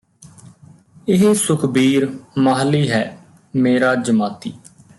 ਇਹ ਸੁਖਬੀਰ ਮਾਹਲੀ ਹੈ ਮੇਰਾ ਜਮਾਤੀ